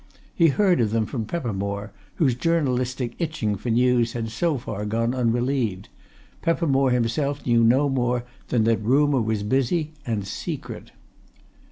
He heard of them from Peppermore, whose journalistic itching for news had so far gone unrelieved; Peppermore himself knew no more than that rumour was busy, and secret.